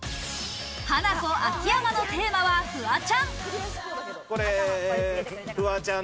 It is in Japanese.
ハナコ・秋山のテーマはフワちゃん。